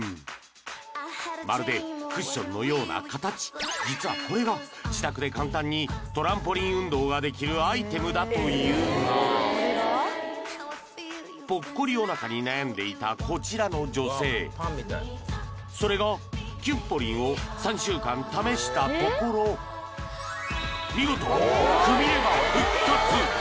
まるでクッションのような形実はこれがができるアイテムだというがぽっこりおなかに悩んでいたこちらの女性それがキュッポリンを３週間試したところ見事くびれが復活！